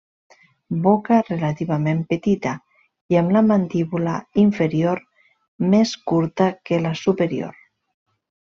Boca relativament petita i amb la mandíbula inferior més curta que la superior.